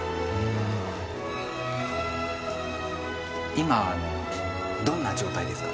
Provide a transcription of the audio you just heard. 今あのどんな状態ですか？